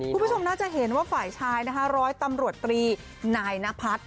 คุณผู้ชมน่าจะเห็นว่าฝ่ายชายนะคะร้อยตำรวจตรีนายนพัฒน์